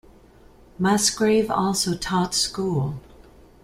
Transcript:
Musgrave also taught school.